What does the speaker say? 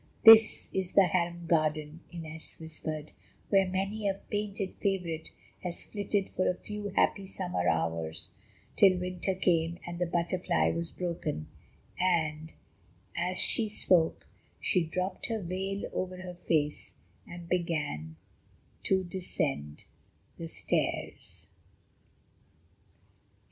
"This is the harem garden," Inez whispered, "where many a painted favourite has flitted for a few happy, summer hours, till winter came and the butterfly was broken," and, as she spoke, she dropped her veil over her face and began to descend the stairs.